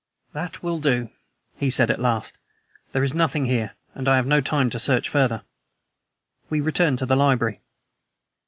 "That will do," he said at last. "There is nothing here and I have no time to search farther." We returned to the library.